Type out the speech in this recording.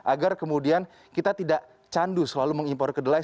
agar kemudian kita tidak candu selalu mengimpor kedelai